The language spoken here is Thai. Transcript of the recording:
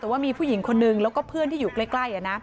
แต่ว่ามีผู้หญิงคนนึงแล้วก็เพื่อนที่อยู่ใกล้